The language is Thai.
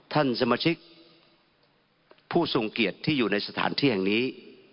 ท่านสมาชิกผู้ทรงเกียรติที่อยู่ในสถานที่แห่งนี้